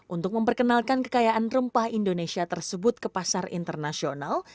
untuk memperkenalkan kekayaan rempah indonesia tersebut ke pasar internasional